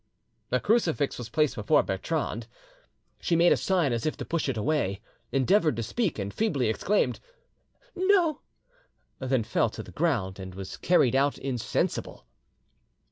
A crucifix was placed before Bertrande; she made a sign as if to push it away, endeavoured to speak, and feebly exclaimed, "No," then fell to the ground, and was carried out insensible.